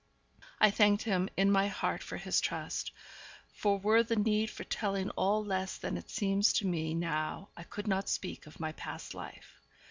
I thanked him in my heart for his trust; for were the need for telling all less than it seems to me now I could not speak of my past life.